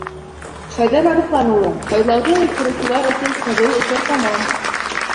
— Хәйҙәр Арыҫлан улы, һайлауҙы ойоштороусылар өсөн ҡыҙыу осор тамам.